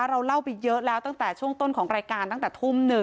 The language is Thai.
เราเล่าไปเยอะแล้วตั้งแต่ช่วงต้นของรายการตั้งแต่ทุ่ม๑